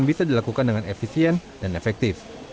bisa dilakukan dengan efisien dan efektif